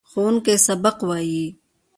ښوونکی سبق وايي.